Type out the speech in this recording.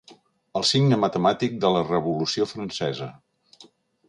El signe matemàtic de la Revolució Francesa.